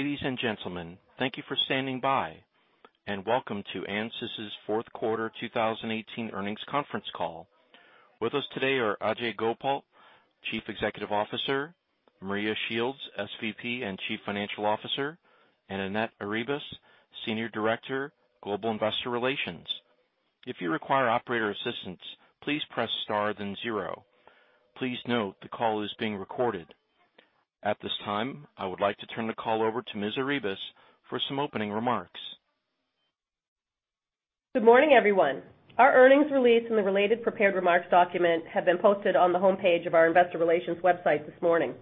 Ladies and gentlemen, thank you for standing by, and welcome to ANSYS's fourth quarter 2018 earnings conference call. With us today are Ajei Gopal, Chief Executive Officer, Maria Shields, SVP and Chief Financial Officer, and Annette Arribas, Senior Director, Global Investor Relations. If you require operator assistance, please press star then zero. Please note the call is being recorded. At this time, I would like to turn the call over to Ms. Arribas for some opening remarks. Good morning, everyone. Our earnings release and the related prepared remarks document have been posted on the homepage of our investor relations website this morning.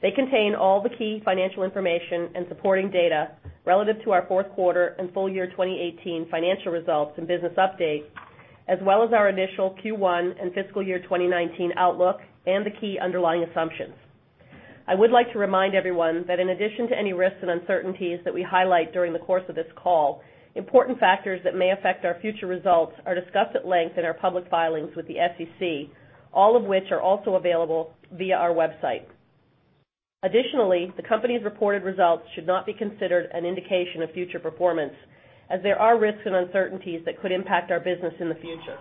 They contain all the key financial information and supporting data relative to our fourth quarter and full year 2018 financial results and business update, as well as our initial Q1 and fiscal year 2019 outlook and the key underlying assumptions. I would like to remind everyone that in addition to any risks and uncertainties that we highlight during the course of this call, important factors that may affect our future results are discussed at length in our public filings with the SEC, all of which are also available via our website. Additionally, the company's reported results should not be considered an indication of future performance, as there are risks and uncertainties that could impact our business in the future.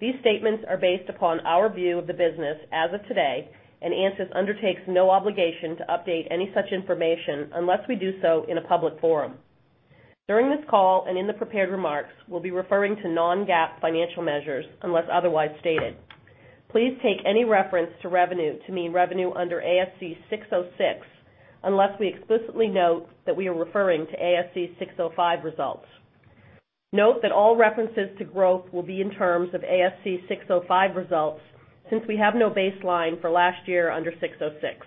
These statements are based upon our view of the business as of today. ANSYS undertakes no obligation to update any such information unless we do so in a public forum. During this call, in the prepared remarks, we'll be referring to non-GAAP financial measures unless otherwise stated. Please take any reference to revenue to mean revenue under ASC 606, unless we explicitly note that we are referring to ASC 605 results. Note that all references to growth will be in terms of ASC 605 results, since we have no baseline for last year under 606.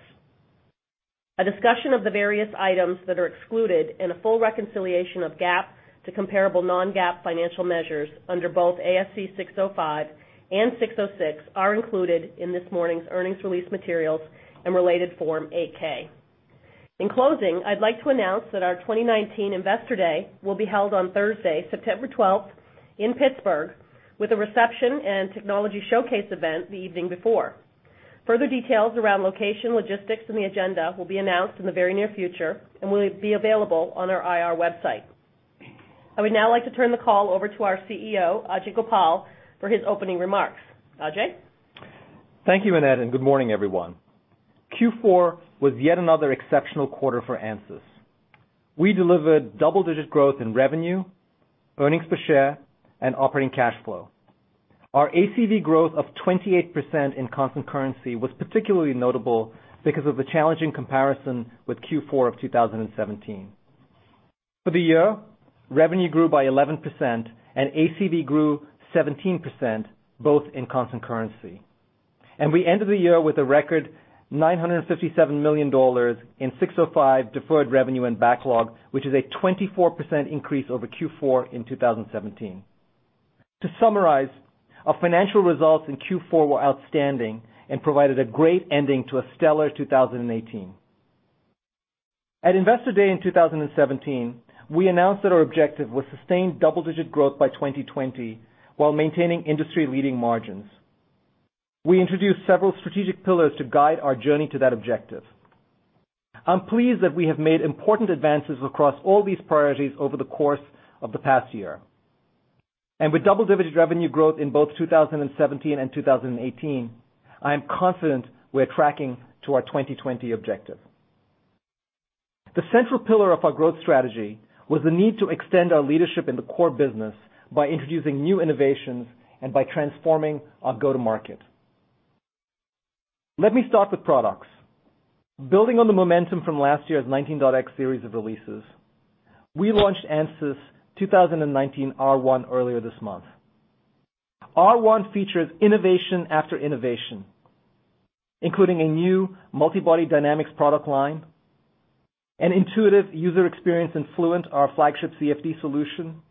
A discussion of the various items that are excluded and a full reconciliation of GAAP to comparable non-GAAP financial measures under both ASC 605 and 606 are included in this morning's earnings release materials and related Form 8-K. In closing, I'd like to announce that our 2019 Investor Day will be held on Thursday, September 12th in Pittsburgh, with a reception and technology showcase event the evening before. Further details around location, logistics, and the agenda will be announced in the very near future and will be available on our IR website. I would now like to turn the call over to our CEO, Ajei Gopal, for his opening remarks. Ajei? Thank you, Annette, and good morning, everyone. Q4 was yet another exceptional quarter for Ansys. We delivered double-digit growth in revenue, earnings per share, and operating cash flow. Our ACV growth of 28% in constant currency was particularly notable because of the challenging comparison with Q4 of 2017. For the year, revenue grew by 11%, and ACV grew 17%, both in constant currency. We ended the year with a record $957 million in ASC 605 deferred revenue and backlog, which is a 24% increase over Q4 in 2017. To summarize, our financial results in Q4 were outstanding and provided a great ending to a stellar 2018. At Investor Day in 2017, we announced that our objective was sustained double-digit growth by 2020 while maintaining industry-leading margins. We introduced several strategic pillars to guide our journey to that objective. I'm pleased that we have made important advances across all these priorities over the course of the past year. With double-digit revenue growth in both 2017 and 2018, I am confident we're tracking to our 2020 objective. The central pillar of our growth strategy was the need to extend our leadership in the core business by introducing new innovations and by transforming our go-to-market. Let me start with products. Building on the momentum from last year's 19.x series of releases, we launched Ansys 2019 R1 earlier this month. R1 features innovation after innovation, including a new multi-body dynamics product line, an intuitive user experience in Fluent, our flagship CFD solution,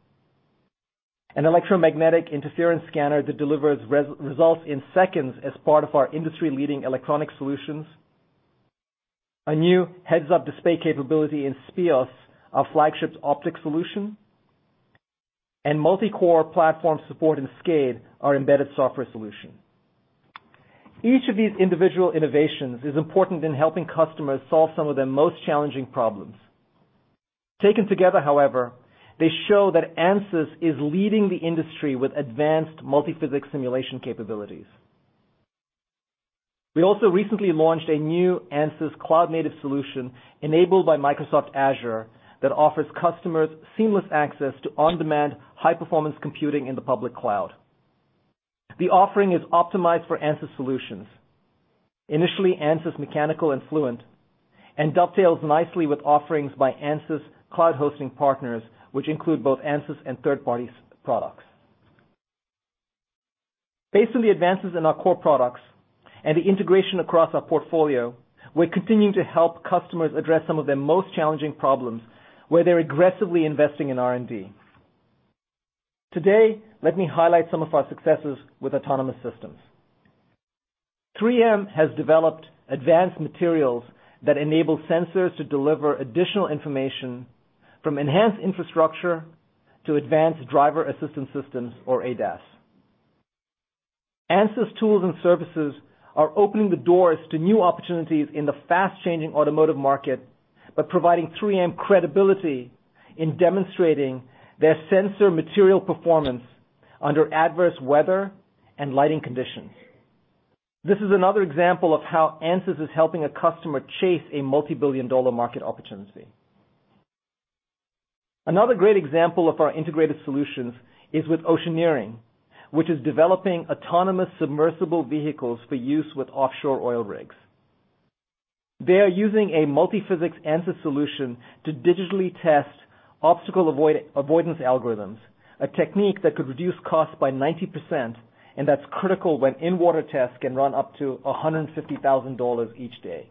an electromagnetic interference scanner that delivers results in seconds as part of our industry-leading electronic solutions, a new heads-up display capability in Speos, our flagship optics solution, and multi-core platform support in SCADE, our embedded software solution. Each of these individual innovations is important in helping customers solve some of their most challenging problems. Taken together, however, they show that Ansys is leading the industry with advanced multiphysics simulation capabilities. We also recently launched a new Ansys Cloud-native solution enabled by Microsoft Azure that offers customers seamless access to on-demand high-performance computing in the public cloud. The offering is optimized for Ansys solutions. Initially, Ansys Mechanical and Fluent, and dovetails nicely with offerings by Ansys cloud hosting partners, which include both Ansys and third parties' products. Based on the advances in our core products and the integration across our portfolio, we're continuing to help customers address some of their most challenging problems where they're aggressively investing in R&D. Today, let me highlight some of our successes with autonomous systems. 3M has developed advanced materials that enable sensors to deliver additional information from enhanced infrastructure to advanced driver-assistance systems, or ADAS. Ansys tools and services are opening the doors to new opportunities in the fast-changing automotive market by providing 3M credibility in demonstrating their sensor material performance under adverse weather and lighting conditions. This is another example of how Ansys is helping a customer chase a multibillion-dollar market opportunity. Another great example of our integrated solutions is with Oceaneering, which is developing autonomous submersible vehicles for use with offshore oil rigs. They are using a multi-physics Ansys solution to digitally test obstacle avoidance algorithms, a technique that could reduce costs by 90%, and that's critical when in-water tests can run up to $150,000 each day.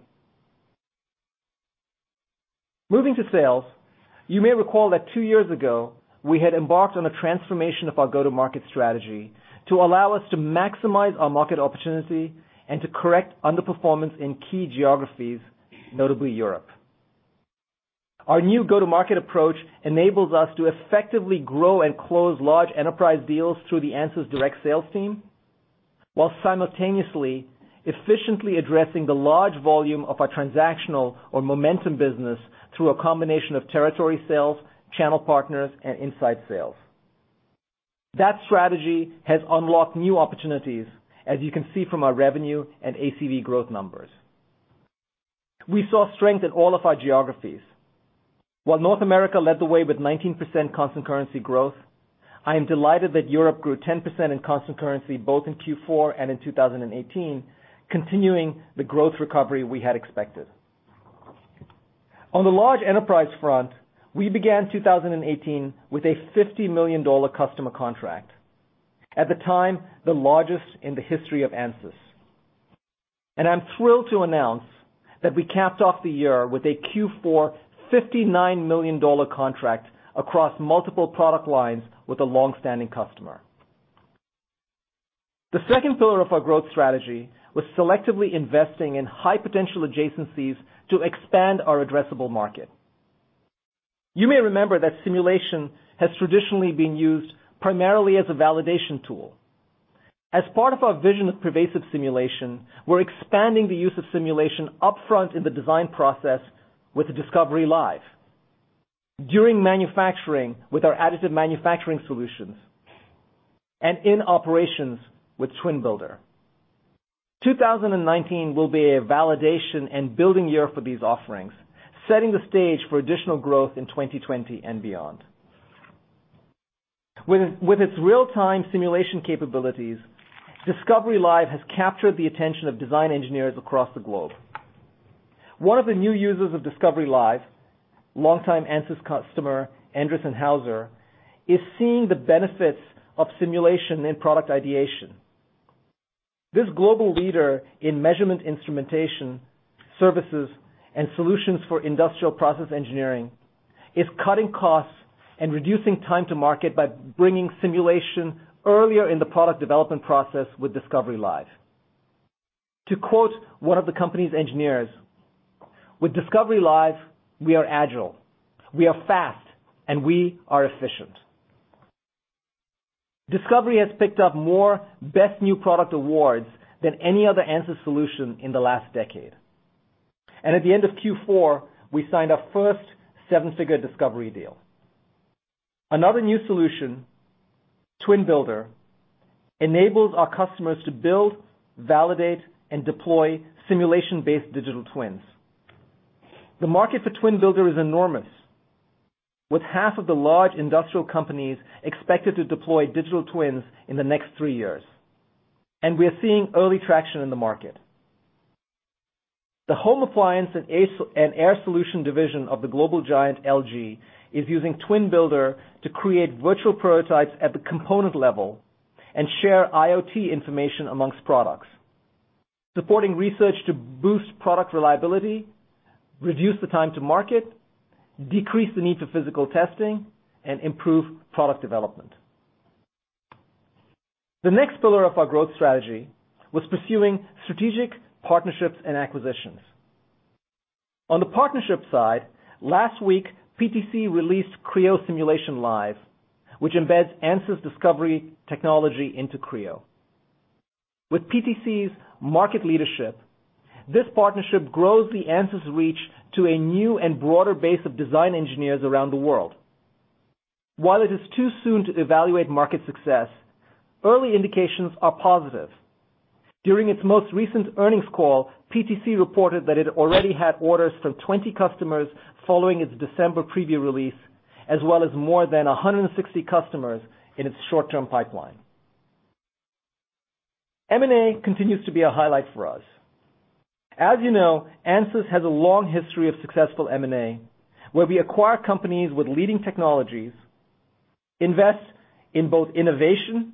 Moving to sales, you may recall that two years ago, we had embarked on a transformation of our go-to-market strategy to allow us to maximize our market opportunity and to correct underperformance in key geographies, notably Europe. Our new go-to-market approach enables us to effectively grow and close large enterprise deals through the ANSYS direct sales team, while simultaneously, efficiently addressing the large volume of our transactional or momentum business through a combination of territory sales, channel partners, and inside sales. That strategy has unlocked new opportunities, as you can see from our revenue and ACV growth numbers. We saw strength in all of our geographies. While North America led the way with 19% constant currency growth, I am delighted that Europe grew 10% in constant currency, both in Q4 and in 2018, continuing the growth recovery we had expected. On the large enterprise front, we began 2018 with a $50 million customer contract, at the time, the largest in the history of ANSYS. I'm thrilled to announce that we capped off the year with a Q4 $59 million contract across multiple product lines with a longstanding customer. The second pillar of our growth strategy was selectively investing in high-potential adjacencies to expand our addressable market. You may remember that simulation has traditionally been used primarily as a validation tool. As part of our vision of pervasive simulation, we're expanding the use of simulation upfront in the design process with Discovery Live, during manufacturing with our additive manufacturing solutions, and in operations with Twin Builder. 2019 will be a validation and building year for these offerings, setting the stage for additional growth in 2020 and beyond. With its real-time simulation capabilities, Discovery Live has captured the attention of design engineers across the globe. One of the new users of Discovery Live, longtime ANSYS customer, Endress+Hauser, is seeing the benefits of simulation in product ideation. This global leader in measurement instrumentation, services, and solutions for industrial process engineering is cutting costs and reducing time to market by bringing simulation earlier in the product development process with Discovery Live. To quote one of the company's engineers, "With Discovery Live, we are agile, we are fast, and we are efficient." Discovery has picked up more Best New Product awards than any other ANSYS solution in the last decade. At the end of Q4, we signed our first seven-figure Discovery deal. Another new solution, Twin Builder, enables our customers to build, validate, and deploy simulation-based digital twins. The market for Twin Builder is enormous, with half of the large industrial companies expected to deploy digital twins in the next three years. We are seeing early traction in the market. The home appliance and air solution division of the global giant LG is using Twin Builder to create virtual prototypes at the component level and share IoT information amongst products, supporting research to boost product reliability, reduce the time to market, decrease the need for physical testing, and improve product development. The next pillar of our growth strategy was pursuing strategic partnerships and acquisitions. On the partnership side, last week, PTC released Creo Simulation Live, which embeds ANSYS Discovery technology into Creo. With PTC's market leadership, this partnership grows the ANSYS reach to a new and broader base of design engineers around the world. While it is too soon to evaluate market success, early indications are positive. During its most recent earnings call, PTC reported that it already had orders from 20 customers following its December preview release, as well as more than 160 customers in its short-term pipeline. M&A continues to be a highlight for us. As you know, ANSYS has a long history of successful M&A, where we acquire companies with leading technologies, invest in both innovation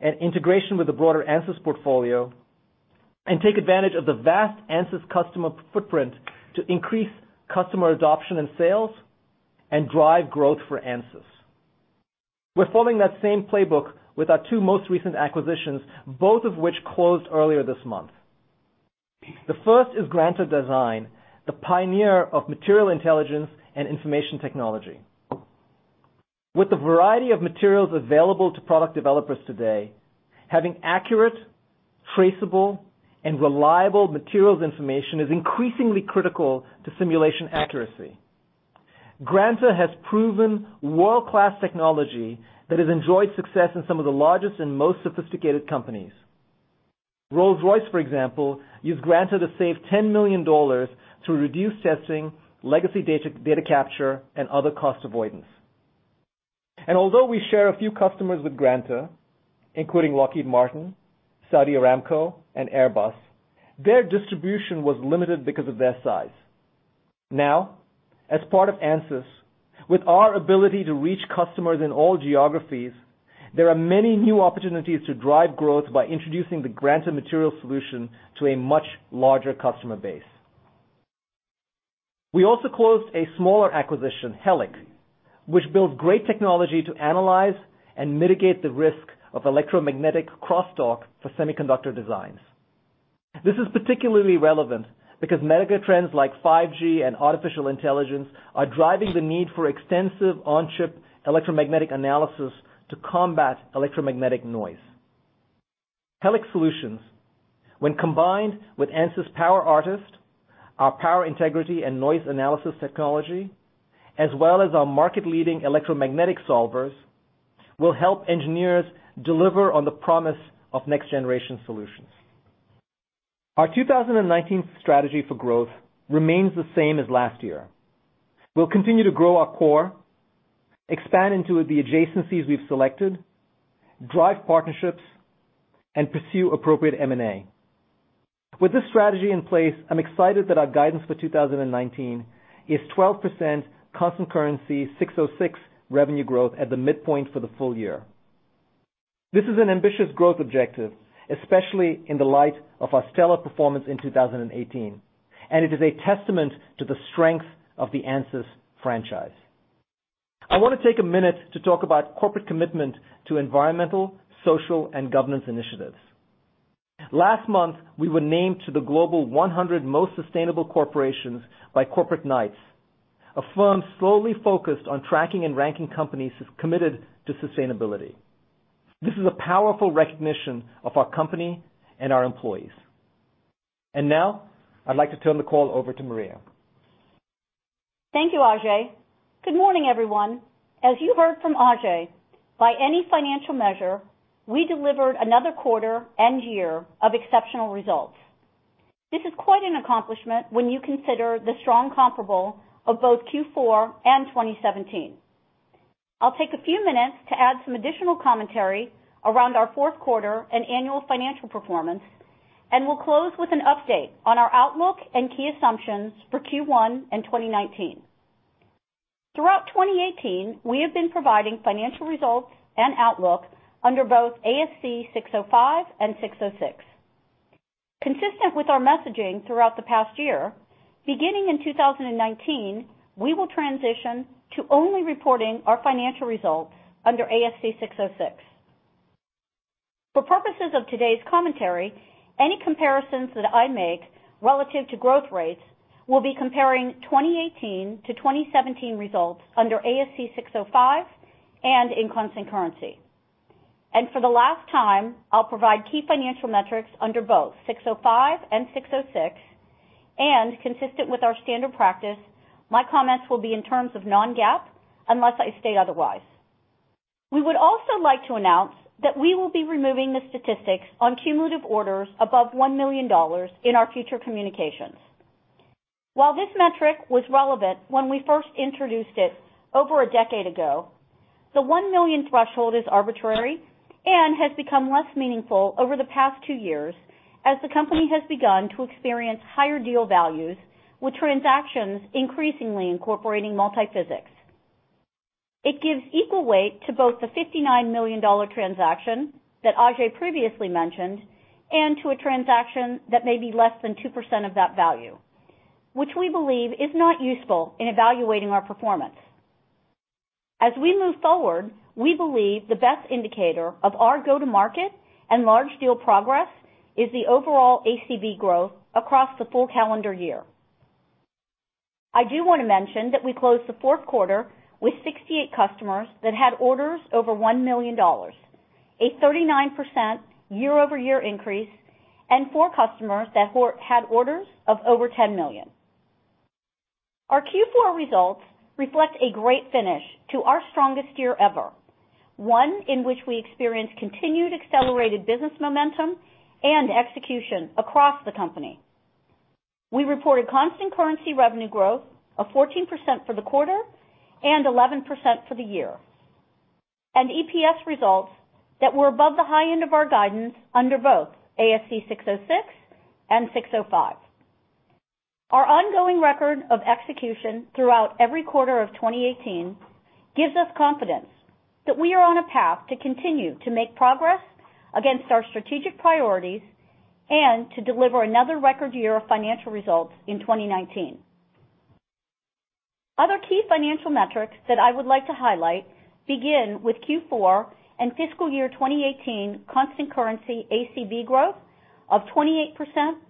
and integration with the broader ANSYS portfolio, and take advantage of the vast ANSYS customer footprint to increase customer adoption and sales, and drive growth for ANSYS. We're following that same playbook with our two most recent acquisitions, both of which closed earlier this month. The first is Granta Design, the pioneer of material intelligence and information technology. With the variety of materials available to product developers today, having accurate, traceable, and reliable materials information is increasingly critical to simulation accuracy. Granta has proven world-class technology that has enjoyed success in some of the largest and most sophisticated companies. Rolls-Royce, for example, used Granta to save $10 million through reduced testing, legacy data capture, and other cost avoidance. Although we share a few customers with Granta, including Lockheed Martin, Saudi Aramco, and Airbus, their distribution was limited because of their size. Now, as part of ANSYS, with our ability to reach customers in all geographies, there are many new opportunities to drive growth by introducing the Granta materials solution to a much larger customer base. We also closed a smaller acquisition, Helic, which built great technology to analyze and mitigate the risk of electromagnetic crosstalk for semiconductor designs. This is particularly relevant because mega trends like 5G and artificial intelligence are driving the need for extensive on-chip electromagnetic analysis to combat electromagnetic noise. Helic solutions, when combined with ANSYS PowerArtist, our power integrity and noise analysis technology, as well as our market-leading electromagnetic solvers, will help engineers deliver on the promise of next-generation solutions. Our 2019 strategy for growth remains the same as last year. We'll continue to grow our core, expand into the adjacencies we've selected, drive partnerships, and pursue appropriate M&A. With this strategy in place, I'm excited that our guidance for 2019 is 12% constant currency 606 revenue growth at the midpoint for the full year. This is an ambitious growth objective, especially in the light of our stellar performance in 2018, and it is a testament to the strength of the ANSYS franchise. I want to take a minute to talk about corporate commitment to environmental, social, and governance initiatives. Last month, we were named to the global 100 most sustainable corporations by Corporate Knights, a firm solely focused on tracking and ranking companies committed to sustainability. This is a powerful recognition of our company and our employees. Now I'd like to turn the call over to Maria. Thank you, Ajei. Good morning, everyone. As you heard from Ajei, by any financial measure, we delivered another quarter and year of exceptional results. This is quite an accomplishment when you consider the strong comparable of both Q4 and 2017. I'll take a few minutes to add some additional commentary around our fourth quarter and annual financial performance, and we'll close with an update on our outlook and key assumptions for Q1 in 2019. Throughout 2018, we have been providing financial results and outlook under both ASC 605 and 606. Consistent with our messaging throughout the past year, beginning in 2019, we will transition to only reporting our financial results under ASC 606. For purposes of today's commentary, any comparisons that I make relative to growth rates will be comparing 2018 to 2017 results under ASC 605 and in constant currency. For the last time, I'll provide key financial metrics under both 605 and 606, and consistent with our standard practice, my comments will be in terms of non-GAAP unless I state otherwise. We would also like to announce that we will be removing the statistics on cumulative orders above $1 million in our future communications. While this metric was relevant when we first introduced it over a decade ago, the 1 million threshold is arbitrary and has become less meaningful over the past two years as the company has begun to experience higher deal values with transactions increasingly incorporating multi-physics. It gives equal weight to both the $59 million transaction that Ajei previously mentioned and to a transaction that may be less than 2% of that value, which we believe is not useful in evaluating our performance. As we move forward, we believe the best indicator of our go-to-market and large deal progress is the overall ACV growth across the full calendar year. I do want to mention that we closed the fourth quarter with 68 customers that had orders over $1 million, a 39% year-over-year increase, and four customers that had orders of over $10 million. Our Q4 results reflect a great finish to our strongest year ever, one in which we experienced continued accelerated business momentum and execution across the company. We reported constant currency revenue growth of 14% for the quarter and 11% for the year, and EPS results that were above the high end of our guidance under both ASC 606 and 605. Our ongoing record of execution throughout every quarter of 2018 gives us confidence that we are on a path to continue to make progress against our strategic priorities and to deliver another record year of financial results in 2019. Other key financial metrics that I would like to highlight begin with Q4 and fiscal year 2018 constant currency ACV growth of 28%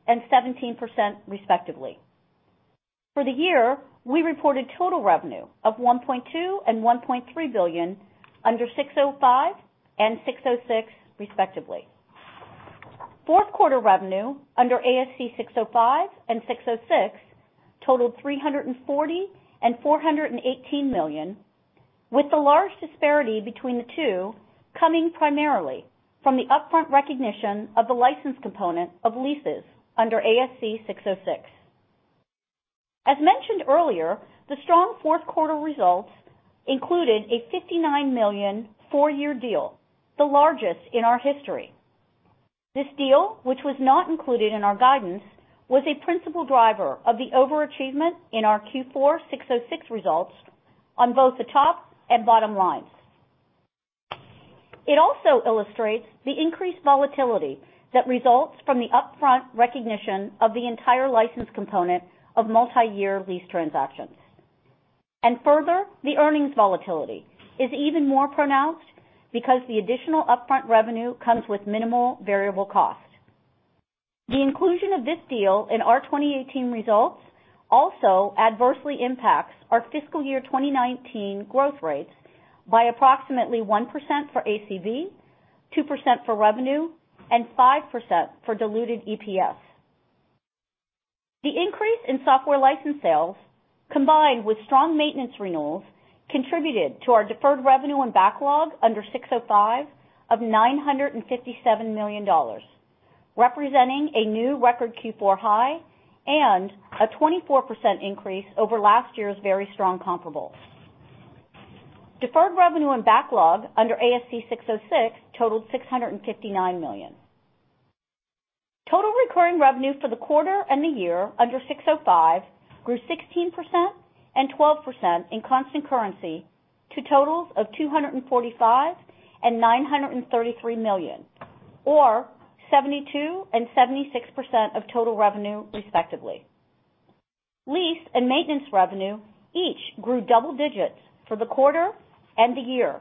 and 17% respectively. For the year, we reported total revenue of $1.2 billion and $1.3 billion under 605 and 606 respectively. Fourth quarter revenue under ASC 605 and 606 totaled $340 million and $418 million, with the large disparity between the two coming primarily from the upfront recognition of the license component of leases under ASC 606. As mentioned earlier, the strong fourth quarter results included a $59 million, four-year deal, the largest in our history. This deal, which was not included in our guidance, was a principal driver of the overachievement in our Q4 ASC 606 results on both the top and bottom lines. It also illustrates the increased volatility that results from the upfront recognition of the entire license component of multi-year lease transactions. Further, the earnings volatility is even more pronounced because the additional upfront revenue comes with minimal variable cost. The inclusion of this deal in our 2018 results also adversely impacts our fiscal year 2019 growth rates by approximately 1% for ACV, 2% for revenue, and 5% for diluted EPS. The increase in software license sales, combined with strong maintenance renewals, contributed to our deferred revenue and backlog under ASC 605 of $957 million, representing a new record Q4 high and a 24% increase over last year's very strong comparables. Deferred revenue and backlog under ASC 606 totaled $659 million. Total recurring revenue for the quarter and the year under ASC 605 grew 16% and 12% in constant currency to totals of $245 million and $933 million, or 72% and 76% of total revenue, respectively. Lease and maintenance revenue each grew double digits for the quarter and the year,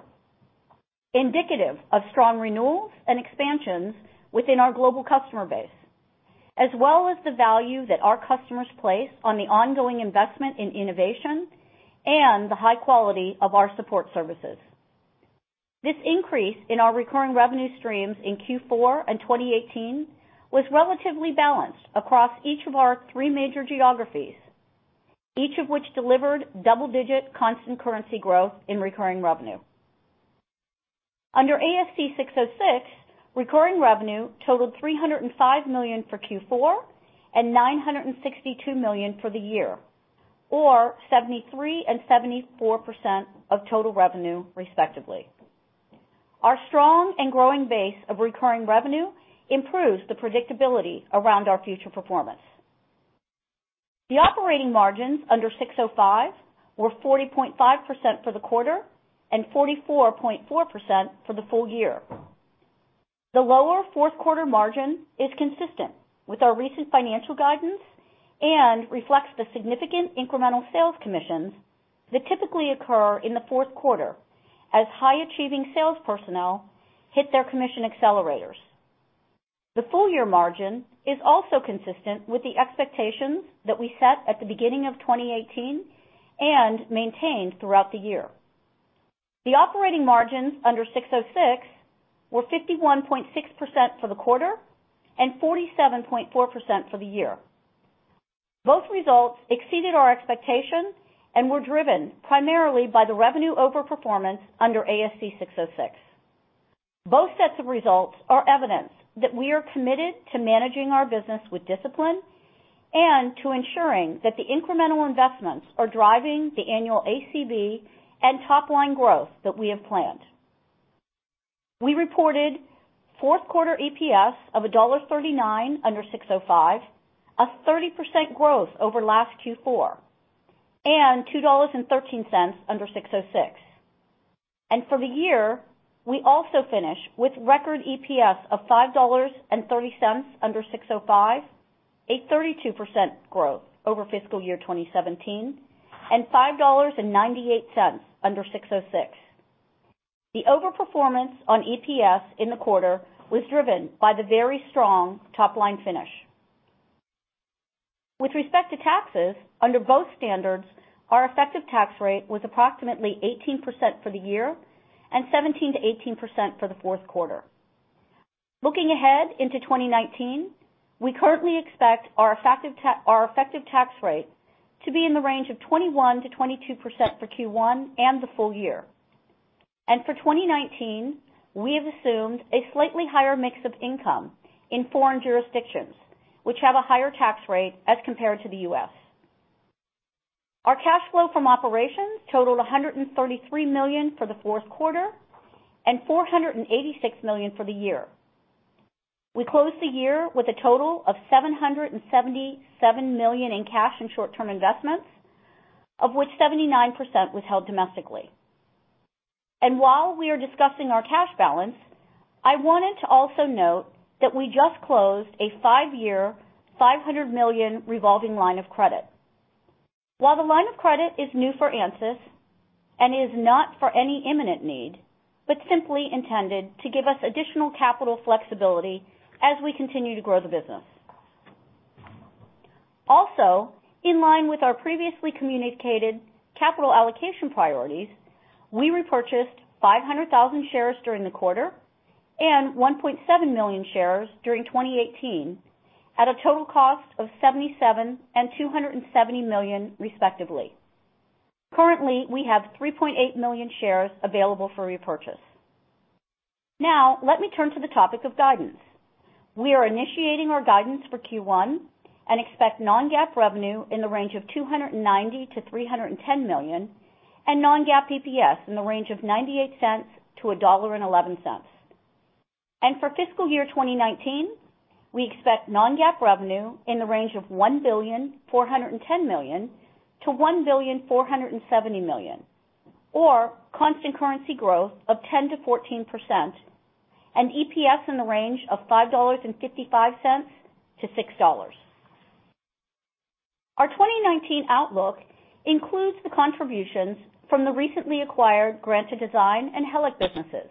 indicative of strong renewals and expansions within our global customer base, as well as the value that our customers place on the ongoing investment in innovation and the high quality of our support services. This increase in our recurring revenue streams in Q4 and 2018 was relatively balanced across each of our three major geographies, each of which delivered double-digit constant currency growth in recurring revenue. Under ASC 606, recurring revenue totaled $305 million for Q4 and $962 million for the year, or 73% and 74% of total revenue, respectively. Our strong and growing base of recurring revenue improves the predictability around our future performance. The operating margins under ASC 605 were 40.5% for the quarter and 44.4% for the full year. The lower fourth quarter margin is consistent with our recent financial guidance and reflects the significant incremental sales commissions that typically occur in the fourth quarter as high-achieving sales personnel hit their commission accelerators. The full-year margin is also consistent with the expectations that we set at the beginning of 2018 and maintained throughout the year. The operating margins under ASC 606 were 51.6% for the quarter and 47.4% for the year. Both results exceeded our expectations and were driven primarily by the revenue overperformance under ASC 606. Both sets of results are evidence that we are committed to managing our business with discipline and to ensuring that the incremental investments are driving the annual ACV and top-line growth that we have planned. We reported fourth quarter EPS of $1.39 under ASC 605, a 30% growth over last Q4, and $2.13 under ASC 606. For the year, we also finish with record EPS of $5.30 under ASC 605, a 32% growth over fiscal year 2017, and $5.98 under ASC 606. The overperformance on EPS in the quarter was driven by the very strong top-line finish. With respect to taxes, under both standards, our effective tax rate was approximately 18% for the year and 17%-18% for the fourth quarter. Looking ahead into 2019, we currently expect our effective tax rate to be in the range of 21%-22% for Q1 and the full year. For 2019, we have assumed a slightly higher mix of income in foreign jurisdictions, which have a higher tax rate as compared to the U.S. Our cash flow from operations totaled $133 million for the fourth quarter and $486 million for the year. We closed the year with a total of $777 million in cash and short-term investments, of which 79% was held domestically. While we are discussing our cash balance, I wanted to also note that we just closed a five-year, $500 million revolving line of credit. While the line of credit is new for Ansys and is not for any imminent need, but simply intended to give us additional capital flexibility as we continue to grow the business. In line with our previously communicated capital allocation priorities, we repurchased 500,000 shares during the quarter and 1.7 million shares during 2018, at a total cost of $77 million and $270 million respectively. Currently, we have 3.8 million shares available for repurchase. Let me turn to the topic of guidance. We are initiating our guidance for Q1 and expect non-GAAP revenue in the range of $290 million-$310 million and non-GAAP EPS in the range of $0.98-$1.11. For fiscal year 2019, we expect non-GAAP revenue in the range of $1,410 million-$1,470 million, or constant currency growth of 10%-14%, and EPS in the range of $5.55-$6.00. Our 2019 outlook includes the contributions from the recently acquired Granta Design and Helic businesses.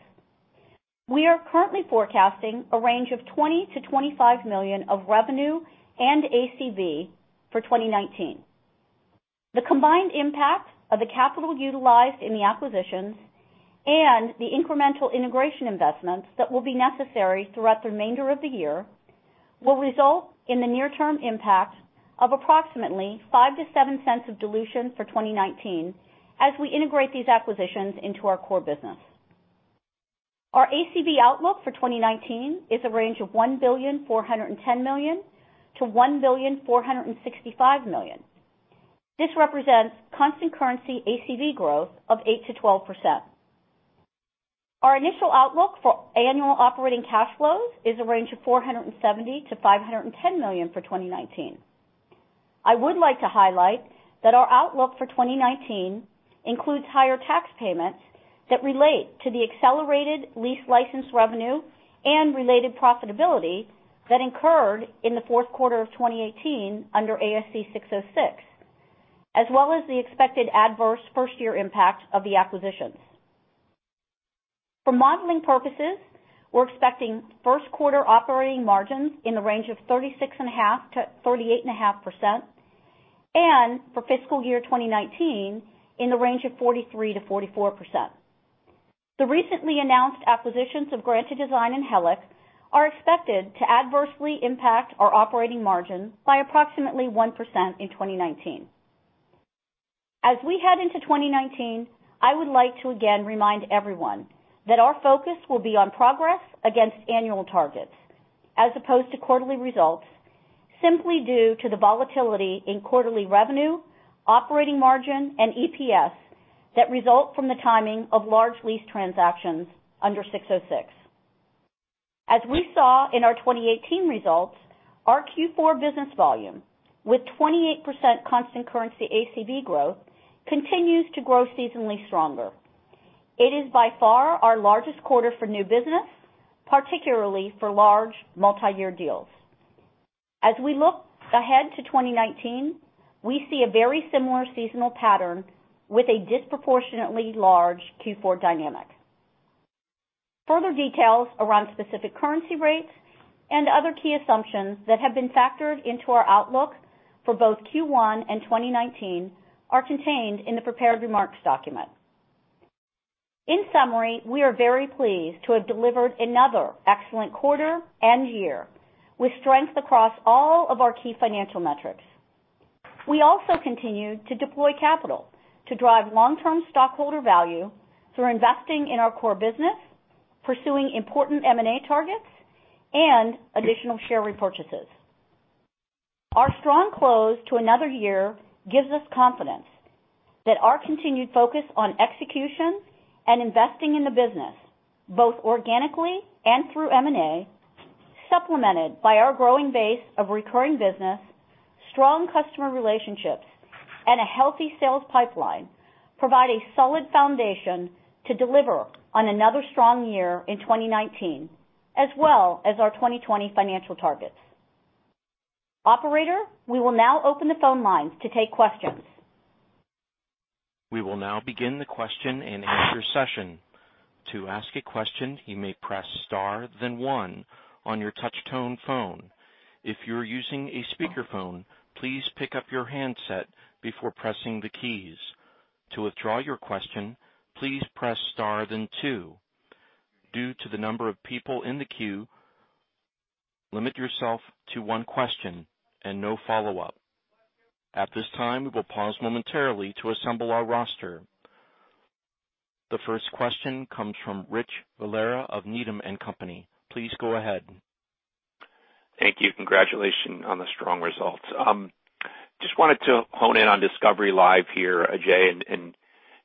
We are currently forecasting a range of $20 million-$25 million of revenue and ACV for 2019. The combined impact of the capital utilized in the acquisitions and the incremental integration investments that will be necessary throughout the remainder of the year will result in the near-term impact of approximately $0.05-$0.07 of dilution for 2019 as we integrate these acquisitions into our core business. Our ACV outlook for 2019 is a range of $1,410 million-$1,465 million. This represents constant currency ACV growth of 8%-12%. Our initial outlook for annual operating cash flows is a range of $470 million-$510 million for 2019. I would like to highlight that our outlook for 2019 includes higher tax payments that relate to the accelerated lease license revenue and related profitability that incurred in the fourth quarter of 2018 under ASC 606, as well as the expected adverse first-year impact of the acquisitions. For modeling purposes, we're expecting first quarter operating margins in the range of 36.5%-38.5%, and for fiscal year 2019, in the range of 43%-44%. The recently announced acquisitions of Granta Design and Helic are expected to adversely impact our operating margin by approximately 1% in 2019. As we head into 2019, I would like to again remind everyone that our focus will be on progress against annual targets as opposed to quarterly results simply due to the volatility in quarterly revenue, operating margin, and EPS that result from the timing of large lease transactions under 606. As we saw in our 2018 results, our Q4 business volume with 28% constant currency ACV growth continues to grow seasonally stronger. It is by far our largest quarter for new business, particularly for large multi-year deals. As we look ahead to 2019, we see a very similar seasonal pattern with a disproportionately large Q4 dynamic. Further details around specific currency rates and other key assumptions that have been factored into our outlook for both Q1 and 2019 are contained in the prepared remarks document. In summary, we are very pleased to have delivered another excellent quarter and year with strength across all of our key financial metrics. We also continue to deploy capital to drive long-term stockholder value through investing in our core business, pursuing important M&A targets, and additional share repurchases. Our strong close to another year gives us confidence that our continued focus on execution and investing in the business, both organically and through M&A, supplemented by our growing base of recurring business, strong customer relationships, and a healthy sales pipeline, provide a solid foundation to deliver on another strong year in 2019, as well as our 2020 financial targets. Operator, we will now open the phone lines to take questions. We will now begin the question-and-answer session. To ask a question, you may press star then one on your touch tone phone. If you're using a speakerphone, please pick up your handset before pressing the keys. To withdraw your question, please press star then two. Due to the number of people in the queue, limit yourself to one question and no follow-up. At this time, we will pause momentarily to assemble our roster. The first question comes from Richard Valera of Needham & Company. Please go ahead. Thank you. Congratulations on the strong results. Just wanted to hone in on Discovery Live here, Ajei, and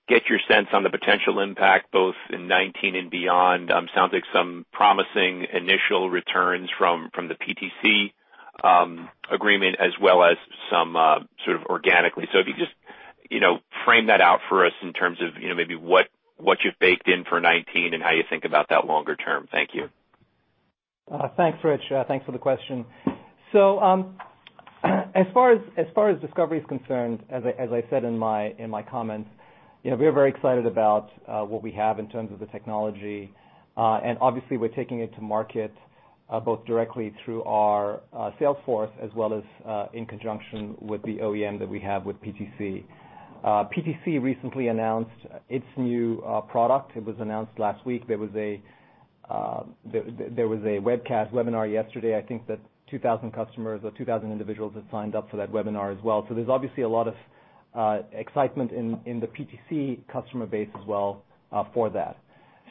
get your sense on the potential impact both in 2019 and beyond. Sounds like some promising initial returns from the PTC agreement as well as some sort of organically. If you just frame that out for us in terms of maybe what you've baked in for 2019 and how you think about that longer term. Thank you. Thanks, Rich. Thanks for the question. As far as Discovery is concerned, as I said in my comments, we are very excited about what we have in terms of the technology. Obviously, we're taking it to market both directly through our sales force as well as in conjunction with the OEM that we have with PTC. PTC recently announced its new product. It was announced last week. There was a webcast webinar yesterday. I think that 2,000 customers or 2,000 individuals had signed up for that webinar as well. There's obviously a lot of excitement in the PTC customer base as well for that.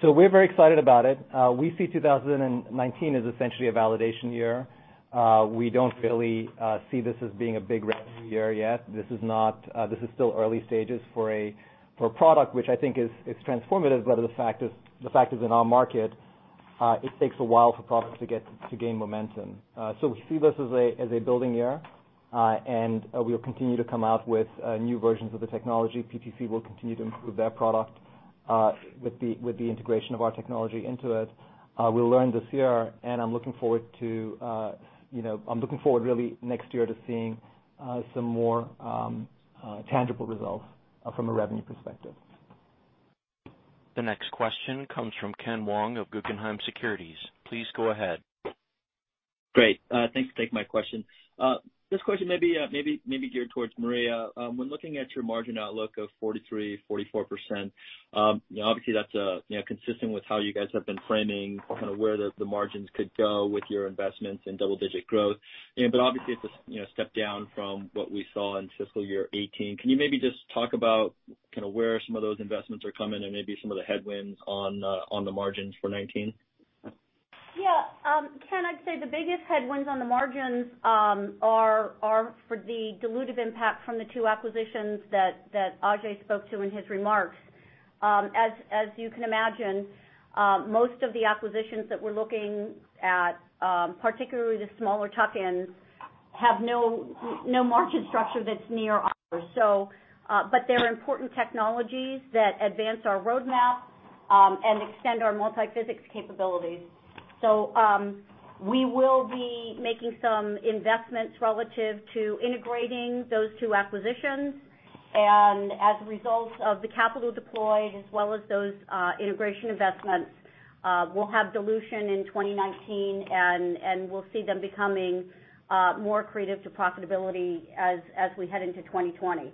We're very excited about it. We see 2019 as essentially a validation year. We don't really see this as being a big revenue year yet. This is still early stages for a product, which I think is transformative, but the fact is in our market, it takes a while for products to gain momentum. We see this as a building year. We'll continue to come out with new versions of the technology. PTC will continue to improve their product with the integration of our technology into it. We'll learn this year, and I'm looking forward really next year to seeing some more tangible results from a revenue perspective. The next question comes from Kenneth Wong of Guggenheim Securities. Please go ahead. Great. Thanks for taking my question. This question may be geared towards Maria. When looking at your margin outlook of 43%-44%, obviously that's consistent with how you guys have been framing kind of where the margins could go with your investments in double-digit growth. Obviously, it's a step down from what we saw in fiscal year 2018. Can you maybe just talk about kind of where some of those investments are coming and maybe some of the headwinds on the margins for 2019? Yeah. Ken, I'd say the biggest headwinds on the margins are for the dilutive impact from the two acquisitions that Ajei spoke to in his remarks. As you can imagine, most of the acquisitions that we're looking at, particularly the smaller tuck-ins, have no margin structure that's near ours. They're important technologies that advance our roadmap and extend our multi-physics capabilities. We will be making some investments relative to integrating those two acquisitions. As a result of the capital deployed, as well as those integration investments, we'll have dilution in 2019, and we'll see them becoming more accretive to profitability as we head into 2020.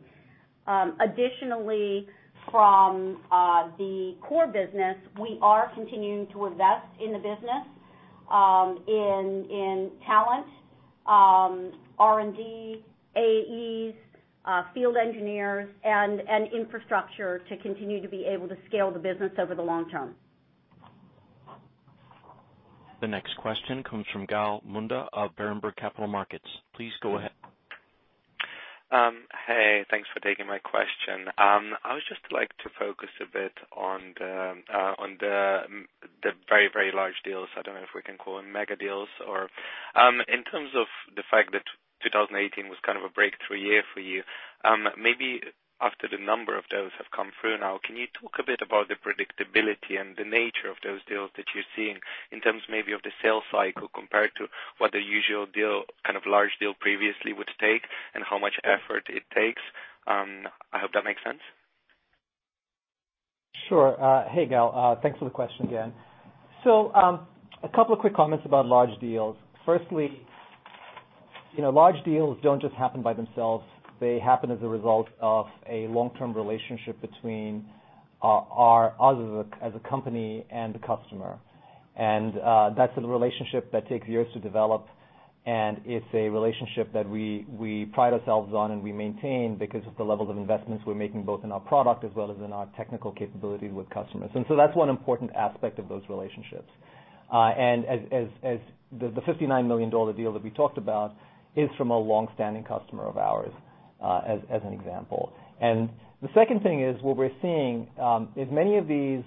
Additionally, from the core business, we are continuing to invest in the business, in talent, R&D, AEs, field engineers, and infrastructure to continue to be able to scale the business over the long term. The next question comes from Gal Munda of Berenberg Capital Markets. Please go ahead. Hey, thanks for taking my question. I would just like to focus a bit on the very large deals. I don't know if we can call them mega deals or In terms of the fact that 2018 was kind of a breakthrough year for you, maybe after the number of those have come through now, can you talk a bit about the predictability and the nature of those deals that you're seeing in terms maybe of the sales cycle compared to what the usual kind of large deal previously would take, and how much effort it takes? I hope that makes sense. Sure. Hey, Gal. Thanks for the question again. A couple of quick comments about large deals. Firstly, large deals don't just happen by themselves. They happen as a result of a long-term relationship between us as a company and the customer. That's a relationship that takes years to develop, and it's a relationship that we pride ourselves on and we maintain because of the levels of investments we're making both in our product as well as in our technical capabilities with customers. That's one important aspect of those relationships. As the $59 million deal that we talked about is from a long-standing customer of ours, as an example. The second thing is what we're seeing is many of these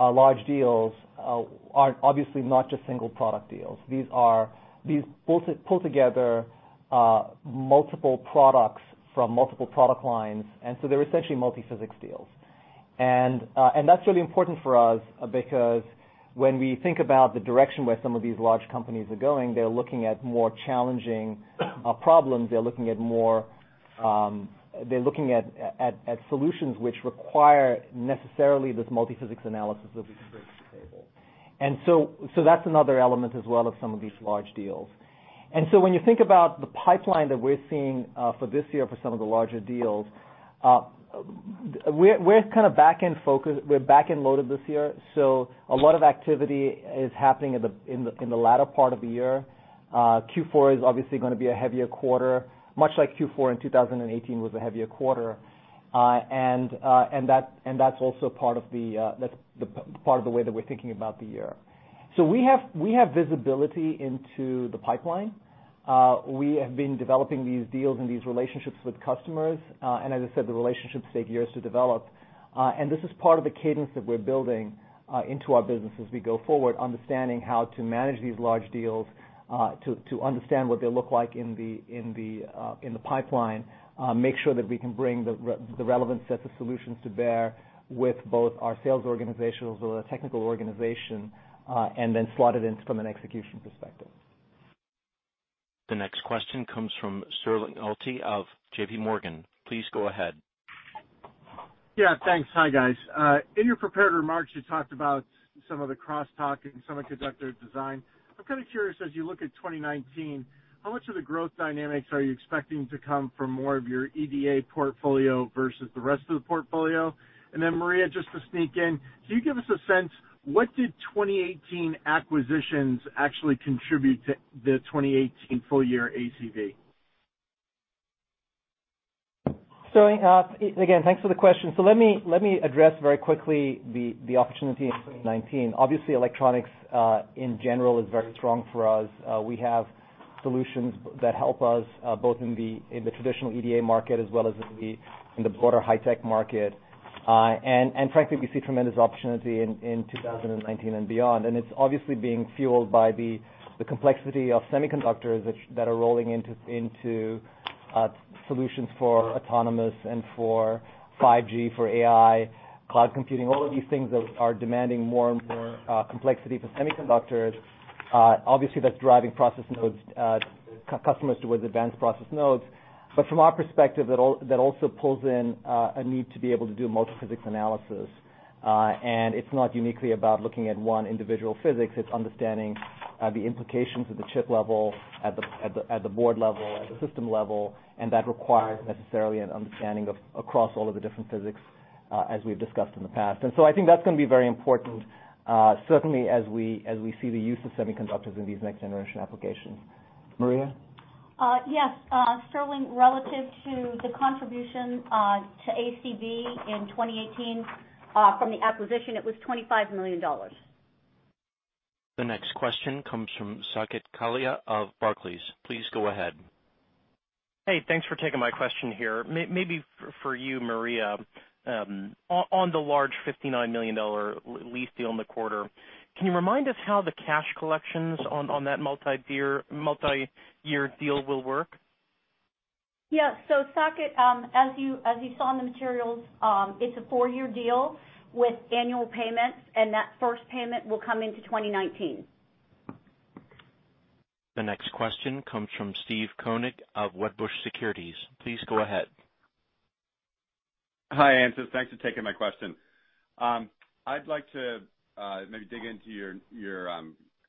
large deals are obviously not just single product deals. These pull together multiple products from multiple product lines, and so they're essentially multi-physics deals. That's really important for us because when we think about the direction where some of these large companies are going, they're looking at more challenging problems. They're looking at solutions which require necessarily this multi-physics analysis that we can bring to the table. That's another element as well of some of these large deals. When you think about the pipeline that we're seeing for this year for some of the larger deals, we're kind of back-end loaded this year. A lot of activity is happening in the latter part of the year. Q4 is obviously going to be a heavier quarter, much like Q4 in 2018 was a heavier quarter. That's also part of the way that we're thinking about the year. We have visibility into the pipeline. We have been developing these deals and these relationships with customers. As I said, the relationships take years to develop. This is part of the cadence that we're building into our business as we go forward, understanding how to manage these large deals to understand what they look like in the pipeline. Make sure that we can bring the relevant sets of solutions to bear with both our sales organizations or the technical organization, then slot it in from an execution perspective. The next question comes from Sterling Auty of JP Morgan. Please go ahead. Yeah, thanks. Hi, guys. In your prepared remarks, you talked about some of the crosstalk in semiconductor design. I'm kind of curious, as you look at 2019, how much of the growth dynamics are you expecting to come from more of your EDA portfolio versus the rest of the portfolio? Then Maria, just to sneak in, can you give us a sense, what did 2018 acquisitions actually contribute to the 2018 full-year ACV? Sterling, again, thanks for the question. Let me address very quickly the opportunity in 2019. Obviously, electronics in general is very strong for us. We have solutions that help us both in the traditional EDA market as well as in the broader high-tech market. Frankly, we see tremendous opportunity in 2019 and beyond. It's obviously being fueled by the complexity of semiconductors that are rolling into solutions for autonomous and for 5G, for AI, cloud computing, all of these things that are demanding more and more complexity for semiconductors. Obviously, that's driving customers towards advanced process nodes. From our perspective, that also pulls in a need to be able to do multi-physics analysis. It's not uniquely about looking at one individual physics, it's understanding the implications at the chip level, at the board level, at the system level, and that requires necessarily an understanding across all of the different physics, as we've discussed in the past. I think that's going to be very important, certainly as we see the use of semiconductors in these next-generation applications. Maria? Yes. Sterling, relative to the contribution to ACV in 2018 from the acquisition, it was $25 million. The next question comes from Saket Kalia of Barclays. Please go ahead. Hey, thanks for taking my question here. Maybe for you, Maria, on the large $59 million lease deal in the quarter, can you remind us how the cash collections on that multi-year deal will work? Yeah. Saket, as you saw in the materials, it's a four-year deal with annual payments, and that first payment will come into 2019. The next question comes from Steve Koenig of Wedbush Securities. Please go ahead. Hi, Ansys. Thanks for taking my question. I'd like to maybe dig into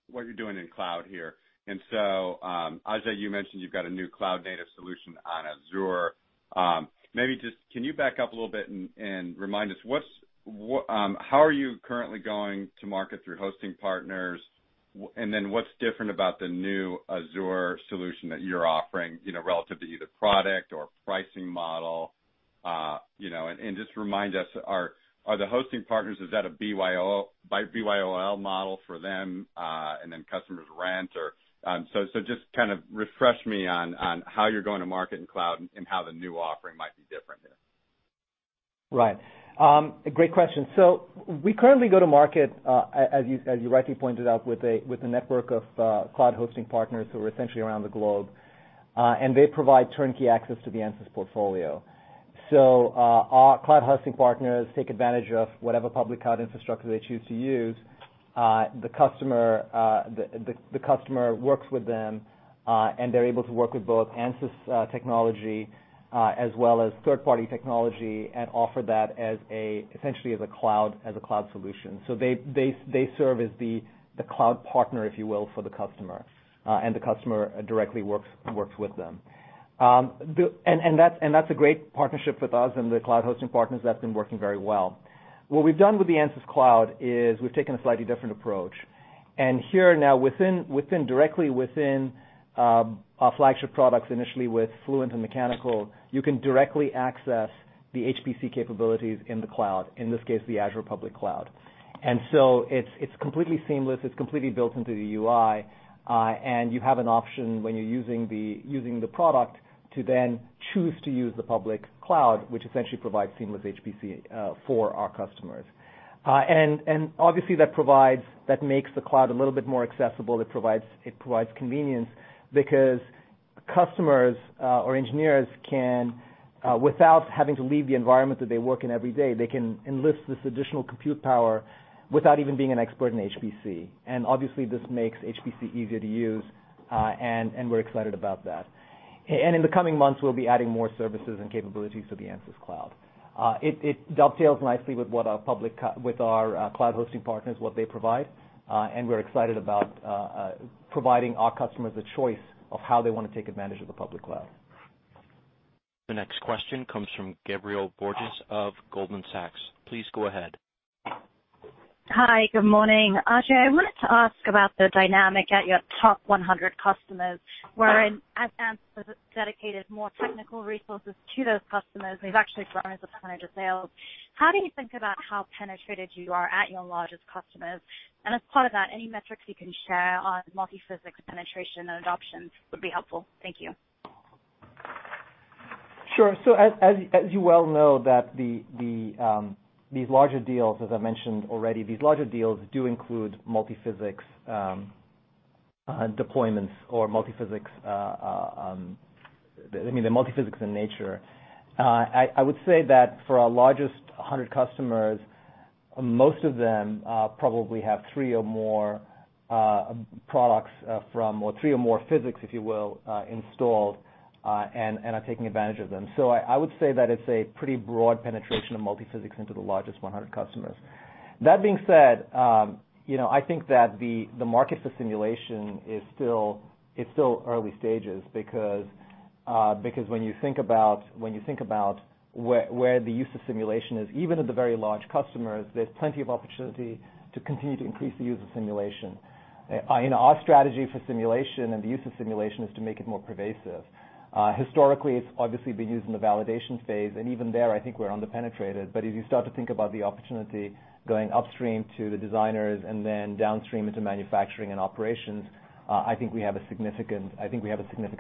what you're doing in cloud here. Ajei, you mentioned you've got a new cloud-native solution on Azure. Maybe just, can you back up a little bit and remind us, how are you currently going to market through hosting partners, and then what's different about the new Azure solution that you're offering, relative to either product or pricing model? Just remind us, are the hosting partners, is that a BYOL model for them, and then customers rent? Just kind of refresh me on how you're going to market in cloud and how the new offering might be different here. Right. Great question. We currently go to market, as you rightly pointed out, with a network of cloud hosting partners who are essentially around the globe, and they provide turnkey access to the ANSYS portfolio. Our cloud hosting partners take advantage of whatever public cloud infrastructure they choose to use. The customer works with them, and they're able to work with both ANSYS technology, as well as third-party technology, and offer that essentially as a cloud solution. They serve as the cloud partner, if you will, for the customer. The customer directly works with them. That's a great partnership with us and the cloud hosting partners. That's been working very well. What we've done with the ANSYS Cloud is we've taken a slightly different approach. Here now, directly within our flagship products, initially with Fluent and Mechanical, you can directly access the HPC capabilities in the cloud, in this case, the Azure public cloud. It's completely seamless. It's completely built into the UI. You have an option when you're using the product to then choose to use the public cloud, which essentially provides seamless HPC for our customers. Obviously that makes the cloud a little bit more accessible. It provides convenience because customers or engineers can, without having to leave the environment that they work in every day, they can enlist this additional compute power without even being an expert in HPC. Obviously, this makes HPC easier to use, and we're excited about that. In the coming months, we'll be adding more services and capabilities to the ANSYS Cloud. It dovetails nicely with our cloud hosting partners, what they provide, and we're excited about providing our customers a choice of how they want to take advantage of the public cloud. The next question comes from Gabriela Borges of Goldman Sachs. Please go ahead. Hi. Good morning. Ajei, I wanted to ask about the dynamic at your top 100 customers, wherein as ANSYS has dedicated more technical resources to those customers, they've actually grown as a percentage of sales. How do you think about how penetrated you are at your largest customers? As part of that, any metrics you can share on multiphysics penetration and adoption would be helpful. Thank you. Sure. As you well know, these larger deals, as I mentioned already, these larger deals do include multiphysics deployments, or they're multiphysics in nature. I would say that for our largest 100 customers. Most of them probably have three or more products or three or more physics, if you will, installed, and are taking advantage of them. I would say that it's a pretty broad penetration of multiphysics into the largest 100 customers. That being said, I think that the market for simulation is still early stages because when you think about where the use of simulation is, even at the very large customers, there's plenty of opportunity to continue to increase the use of simulation. In our strategy for simulation and the use of simulation is to make it more pervasive. Historically, it's obviously been used in the validation phase, and even there, I think we're underpenetrated. As you start to think about the opportunity going upstream to the designers and then downstream into manufacturing and operations, I think we have a significant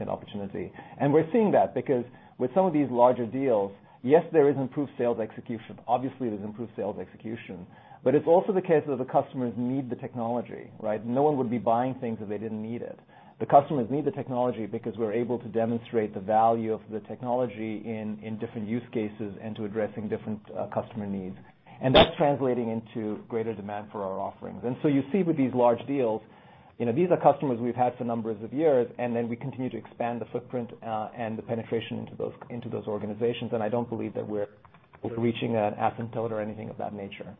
opportunity. We're seeing that because with some of these larger deals, yes, there is improved sales execution. Obviously, there's improved sales execution. It's also the case that the customers need the technology, right? No one would be buying things if they didn't need it. The customers need the technology because we're able to demonstrate the value of the technology in different use cases and to addressing different customer needs. That's translating into greater demand for our offerings. You see with these large deals, these are customers we've had for numbers of years, and then we continue to expand the footprint, and the penetration into those organizations, and I don't believe that we're reaching an asymptote or anything of that nature.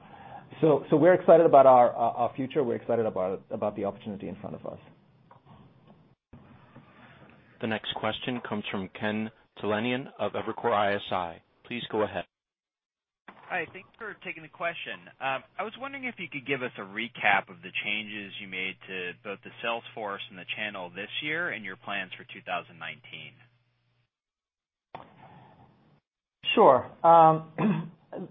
We're excited about our future. We're excited about the opportunity in front of us. The next question comes from Ken Talanian of Evercore ISI. Please go ahead. Hi, thank you for taking the question. I was wondering if you could give us a recap of the changes you made to both the sales force and the channel this year and your plans for 2019. Sure.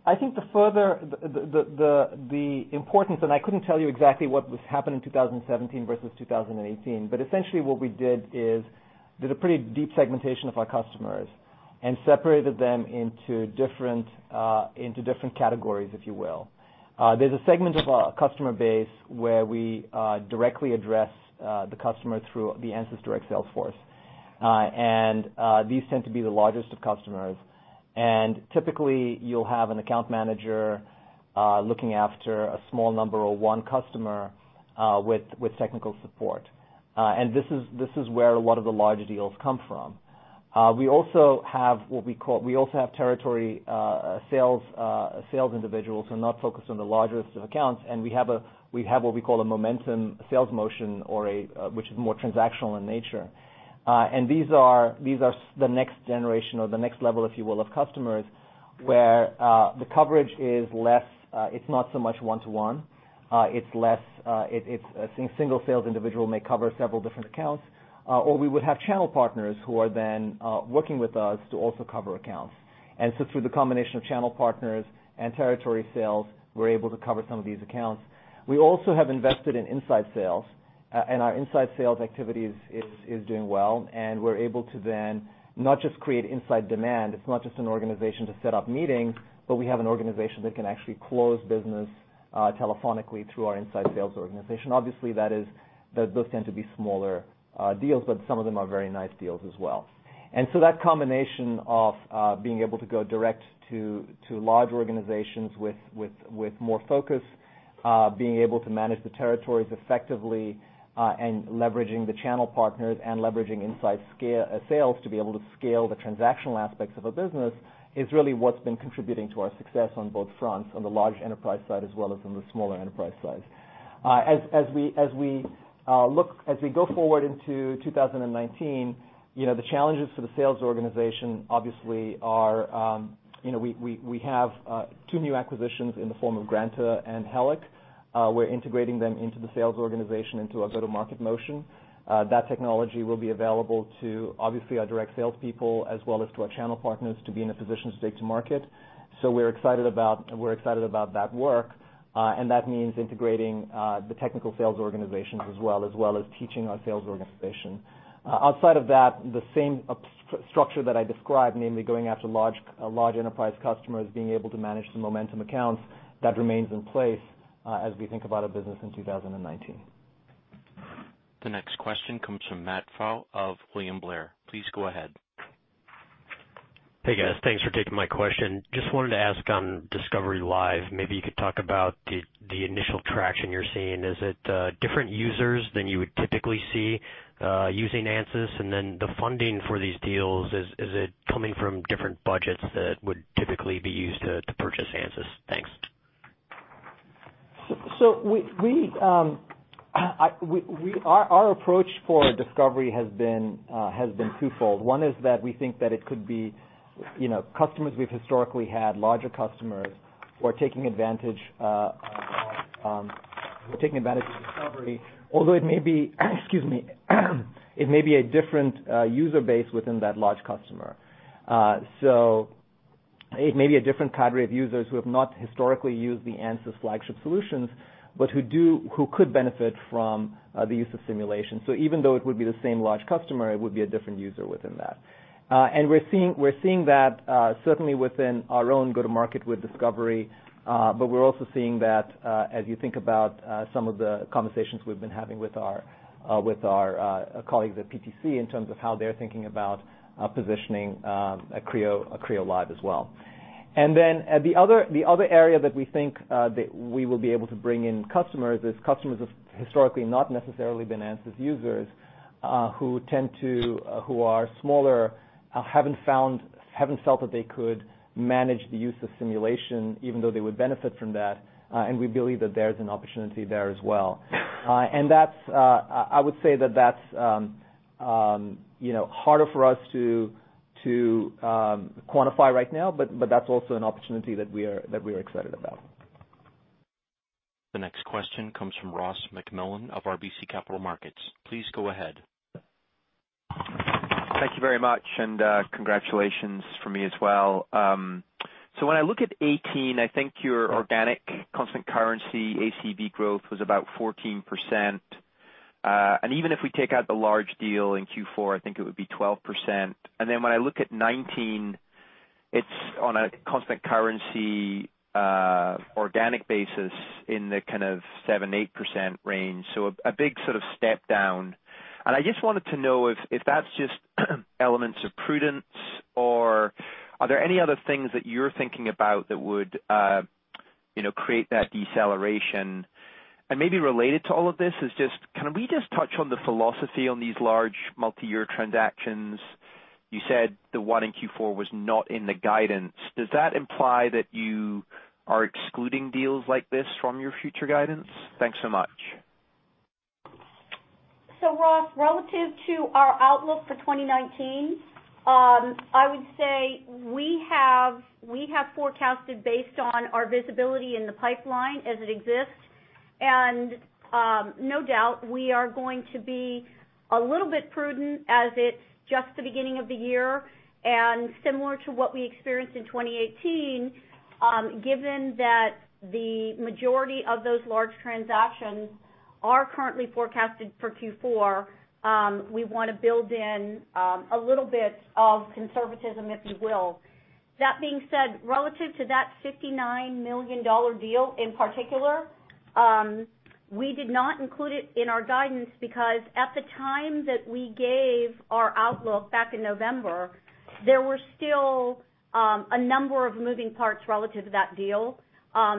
I think the further the importance, and I couldn't tell you exactly what happened in 2017 versus 2018, but essentially what we did is, did a pretty deep segmentation of our customers and separated them into different categories, if you will. There's a segment of our customer base where we directly address the customer through the Ansys direct sales force. These tend to be the largest of customers. Typically, you'll have an account manager looking after a small number or one customer with technical support. This is where a lot of the larger deals come from. We also have territory sales individuals who are not focused on the largest of accounts, and we have what we call a momentum sales motion which is more transactional in nature. These are the next generation or the next level, if you will, of customers, where the coverage is less. It's not so much one-to-one. A single sales individual may cover several different accounts. We would have channel partners who are then working with us to also cover accounts. Through the combination of channel partners and territory sales, we're able to cover some of these accounts. We also have invested in inside sales, and our inside sales activity is doing well, and we're able to then not just create inside demand, it's not just an organization to set up meetings, but we have an organization that can actually close business telephonically through our inside sales organization. Obviously, those tend to be smaller deals, but some of them are very nice deals as well. That combination of being able to go direct to large organizations with more focus, being able to manage the territories effectively, leveraging the channel partners and leveraging inside sales to be able to scale the transactional aspects of a business is really what's been contributing to our success on both fronts, on the large enterprise side, as well as on the smaller enterprise side. As we go forward into 2019, the challenges for the sales organization obviously are, we have two new acquisitions in the form of Granta and Helic. We're integrating them into the sales organization, into a go-to-market motion. That technology will be available to, obviously our direct salespeople as well as to our channel partners to be in a position to take to market. We're excited about that work, and that means integrating the technical sales organizations as well, as well as teaching our sales organization. Outside of that, the same structure that I described, namely going after large enterprise customers, being able to manage the momentum accounts, that remains in place as we think about our business in 2019. The next question comes from Matt Pfau of William Blair. Please go ahead. Hey, guys. Thanks for taking my question. Just wanted to ask on Discovery Live. Maybe you could talk about the initial traction you're seeing. Is it different users than you would typically see using Ansys? And then the funding for these deals, is it coming from different budgets that would typically be used to purchase Ansys? Thanks. Our approach for ANSYS Discovery has been twofold. One is that we think that it could be customers we've historically had, larger customers who are taking advantage of ANSYS Discovery, although it may be, excuse me, it may be a different user base within that large customer. It may be a different cadre of users who have not historically used the ANSYS flagship solutions, but who could benefit from the use of simulation. Even though it would be the same large customer, it would be a different user within that. We're seeing that certainly within our own go to market with ANSYS Discovery. We're also seeing that, as you think about some of the conversations we've been having with our colleagues at PTC in terms of how they're thinking about positioning Creo Simulation Live as well. The other area that we think that we will be able to bring in customers is customers who have historically not necessarily been ANSYS users, who are smaller, haven't felt that they could manage the use of simulation even though they would benefit from that. We believe that there's an opportunity there as well. I would say that that's harder for us to quantify right now, but that's also an opportunity that we are excited about. The next question comes from Ross MacMillan of RBC Capital Markets. Please go ahead. Thank you very much. Congratulations from me as well. When I look at 2018, I think your organic constant currency ACV growth was about 14%. Even if we take out the large deal in Q4, I think it would be 12%. When I look at 2019, it's on a constant currency, organic basis in the kind of 7%, 8% range. A big step down. I just wanted to know if that's just elements of prudence, or are there any other things that you're thinking about that would create that deceleration? Maybe related to all of this is just, can we just touch on the philosophy on these large multi-year transactions? You said the one in Q4 was not in the guidance. Does that imply that you are excluding deals like this from your future guidance? Thanks so much. Ross, relative to our outlook for 2019, I would say we have forecasted based on our visibility in the pipeline as it exists, no doubt we are going to be a little bit prudent as it's just the beginning of the year. Similar to what we experienced in 2018, given that the majority of those large transactions are currently forecasted for Q4, we want to build in a little bit of conservatism, if you will. That being said, relative to that $59 million deal in particular, we did not include it in our guidance because at the time that we gave our outlook back in November, there were still a number of moving parts relative to that deal.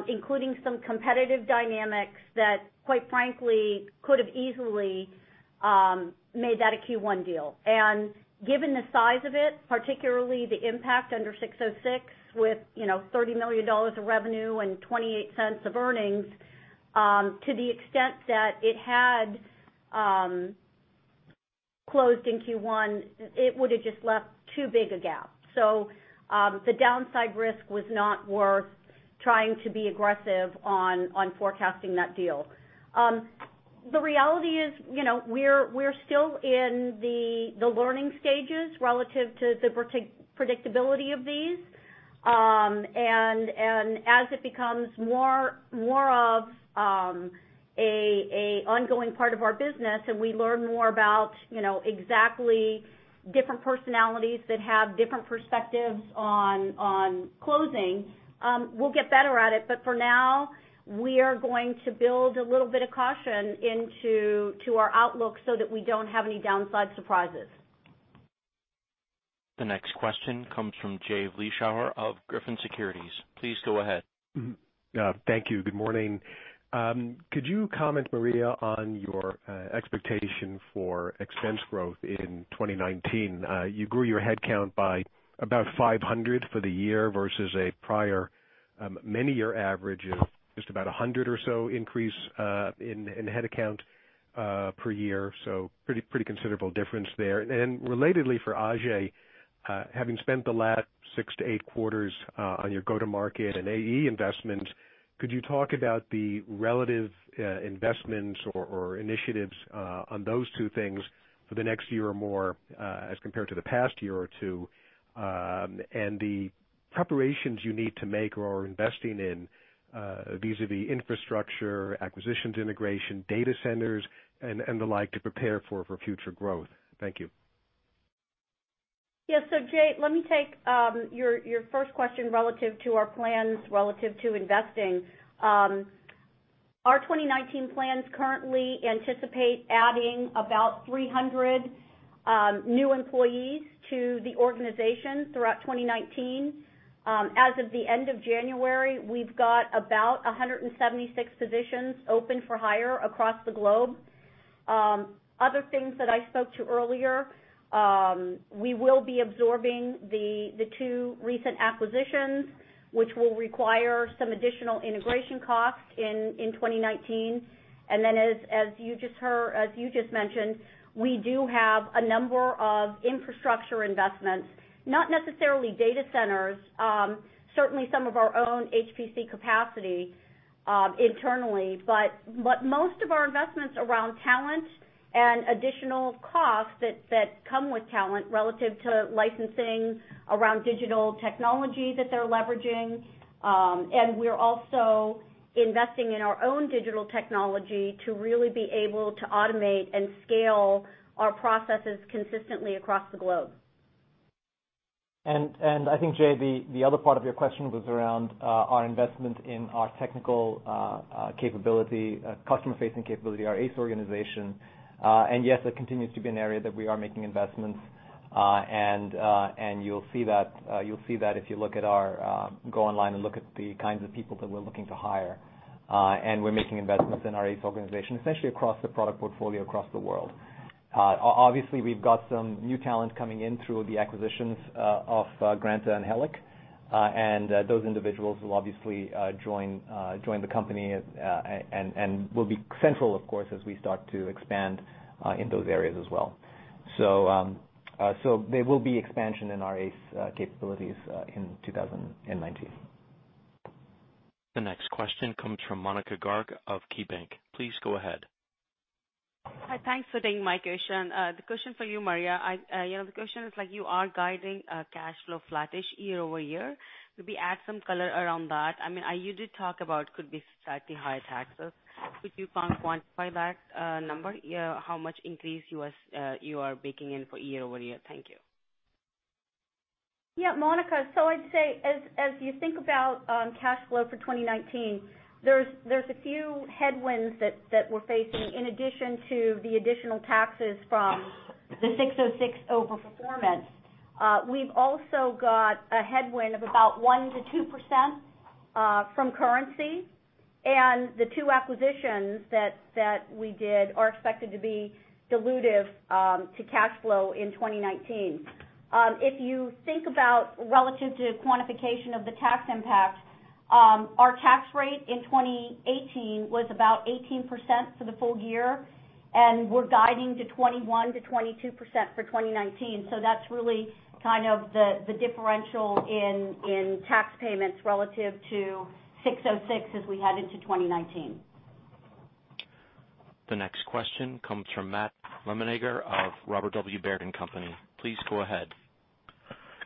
Including some competitive dynamics that, quite frankly, could've easily made that a Q1 deal. Given the size of it, particularly the impact under 606 with $30 million of revenue and $0.28 of earnings, to the extent that it had closed in Q1, it would've just left too big a gap. The downside risk was not worth trying to be aggressive on forecasting that deal. The reality is, we're still in the learning stages relative to the predictability of these. As it becomes more of an ongoing part of our business and we learn more about exactly different personalities that have different perspectives on closing, we'll get better at it. For now, we are going to build a little bit of caution into our outlook so that we don't have any downside surprises. The next question comes from Jay Vleeschhouwer of Griffin Securities. Please go ahead. Thank you. Good morning. Could you comment, Maria, on your expectation for expense growth in 2019? You grew your headcount by about 500 for the year versus a prior many-year average of just about 100 or so increase in headcount per year. Pretty considerable difference there. Relatedly for Ajei, having spent the last six to eight quarters on your go-to market and AE investment, could you talk about the relative investments or initiatives on those two things for the next year or more as compared to the past year or two? The preparations you need to make or are investing in. These are the infrastructure, acquisitions integration, data centers, and the like to prepare for future growth. Thank you. Yeah. Jay, let me take your first question relative to our plans, relative to investing. Our 2019 plans currently anticipate adding about 300 new employees to the organization throughout 2019. As of the end of January, we've got about 176 positions open for hire across the globe. Other things that I spoke to earlier, we will be absorbing the two recent acquisitions, which will require some additional integration costs in 2019. Then as you just mentioned, we do have a number of infrastructure investments, not necessarily data centers. Certainly some of our own HPC capacity internally, but most of our investment's around talent and additional costs that come with talent relative to licensing around digital technology that they're leveraging. We are also investing in our own digital technology to really be able to automate and scale our processes consistently across the globe. I think, Jay, the other part of your question was around our investment in our technical capability, customer-facing capability, our ACE organization. Yes, that continues to be an area that we are making investments. You'll see that if you go online and look at the kinds of people that we're looking to hire. We're making investments in our ACE organization, essentially across the product portfolio across the world. Obviously, we've got some new talent coming in through the acquisitions of Granta and Helic. Those individuals will obviously join the company and will be central, of course, as we start to expand in those areas as well. There will be expansion in our ACE capabilities in 2019. The next question comes from Monika Garg of KeyBanc. Please go ahead. Hi. Thanks for taking my question. The question is for you, Maria. The question is, you are guiding cash flow flattish year-over-year. Could we add some color around that? You did talk about could be slightly higher taxes. Could you quantify that number? How much increase you are baking in for year-over-year? Thank you. Monika. I'd say, as you think about cash flow for 2019, there's a few headwinds that we're facing in addition to the additional taxes from the ASC 606 over-performance. We've also got a headwind of about 1%-2% from currency, the two acquisitions that we did are expected to be dilutive to cash flow in 2019. If you think about relative to quantification of the tax impact, our tax rate in 2018 was about 18% for the full year, we're guiding to 21%-22% for 2019. That's really kind of the differential in tax payments relative to ASC 606 as we head into 2019. The next question comes from Matt Reminiger of Robert W. Baird & Co. Please go ahead.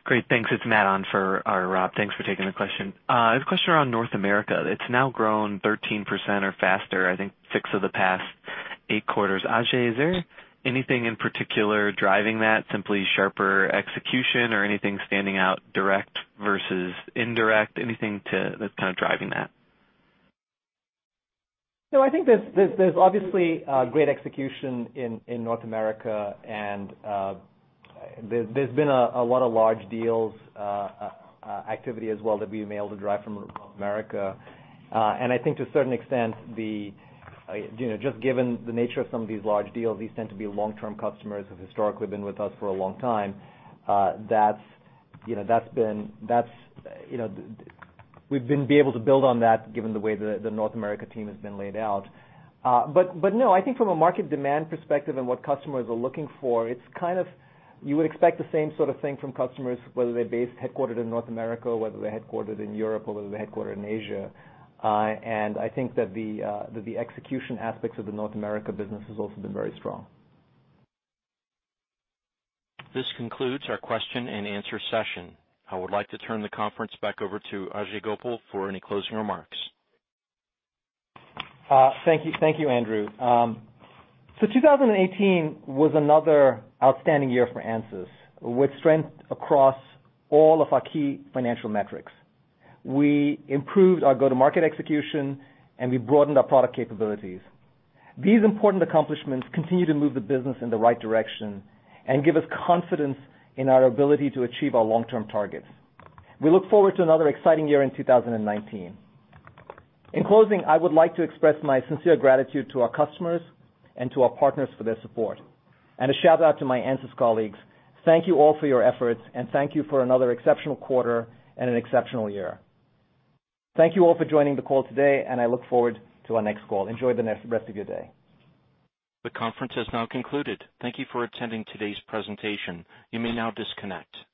Great. Thanks. It's Matt on for Rob. Thanks for taking the question. I have a question around North America. It's now grown 13% or faster, I think six of the past eight quarters. Ajei, is there anything in particular driving that, simply sharper execution or anything standing out direct versus indirect? Anything that's kind of driving that? I think there's obviously great execution in North America, there's been a lot of large deals activity as well that we've been able to drive from North America. I think to a certain extent, just given the nature of some of these large deals, these tend to be long-term customers who've historically been with us for a long time. We've been able to build on that given the way the North America team has been laid out. I think from a market demand perspective and what customers are looking for, you would expect the same sort of thing from customers, whether they're based, headquartered in North America, whether they're headquartered in Europe, or whether they're headquartered in Asia. I think that the execution aspects of the North America business has also been very strong. This concludes our question and answer session. I would like to turn the conference back over to Ajei Gopal for any closing remarks. Thank you, Andrew. 2018 was another outstanding year for ANSYS, with strength across all of our key financial metrics. We improved our go-to-market execution and we broadened our product capabilities. These important accomplishments continue to move the business in the right direction and give us confidence in our ability to achieve our long-term targets. We look forward to another exciting year in 2019. In closing, I would like to express my sincere gratitude to our customers and to our partners for their support. A shout-out to my ANSYS colleagues, thank you all for your efforts and thank you for another exceptional quarter and an exceptional year. Thank you all for joining the call today, and I look forward to our next call. Enjoy the rest of your day. The conference has now concluded. Thank you for attending today's presentation. You may now disconnect.